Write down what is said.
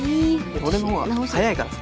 俺のほうが早いからさ。